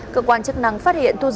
cơ quan chức năng phát hiện thu dựng